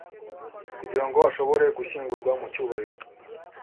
kugira ngo ashobore gushyingurwa mu cyubahiro